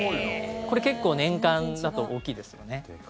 これ、結構年間だと大きいですよね。